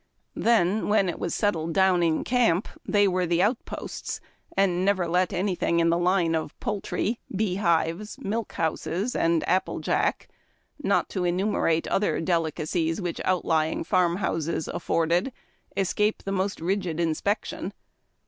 Then when it was settled down in camp they were the outposts and never let anj^thing in the line of poultry, bee hives, milk houses, and aj^ple jack, not to enu merate other delicacies which outlying farm houses afforded, escape the most rigid inspection.